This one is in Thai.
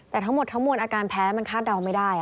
แต่ทั้งหมดทั้งมวลอาการแพ้มันคาดเดาไม่ได้